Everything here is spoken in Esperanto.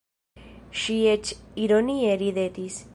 Ŝi eĉ ironie ridetis.